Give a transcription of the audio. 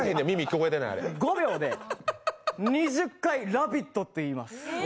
５秒で２０回、「ラヴィット！」って言います。